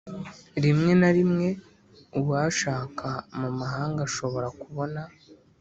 rimwe na rimwe, uwashaka mu mahanga ashobora kubona